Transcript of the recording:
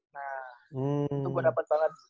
nah itu gue dapet banget